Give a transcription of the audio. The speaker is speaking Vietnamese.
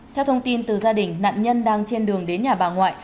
theo thông tin từ gia đình nạn nhân đang trên đường đến nhà bà ngoại